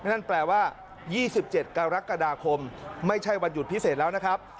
นั่นแปลว่า๒๗กรกฎาคมไม่ใช่วันหยุดพิเศษแล้วนะครับ